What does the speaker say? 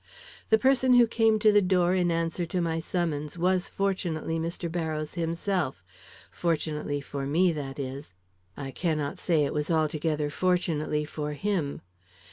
"The person who came to the door in answer to my summons was fortunately Mr. Barrows himself; fortunately for me, that is; I cannot say it was altogether fortunately for him.